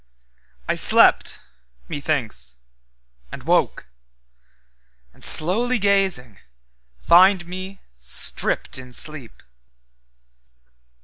I slept, methinks, and woke, And, slowly gazing, find me stripped in sleep.